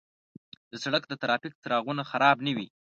د سړک د ترافیک څراغونه خراب نه وي.